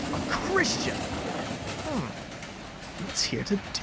a Christian! Hum, what's here to do?